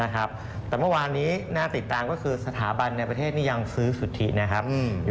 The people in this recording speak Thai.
แต่เมื่อวานนี้สถาบันในประเทศนี้ยังซื้อสุทธินะครับ